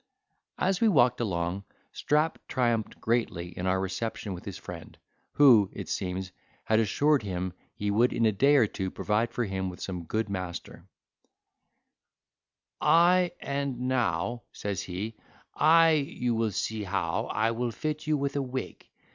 As we walked along, Strap triumphed greatly in our reception with his friend, who, it seems, had assured him he would in a day or two provide for him with some good master; "I and now," says he, "I you will see how I will fit you with a wig.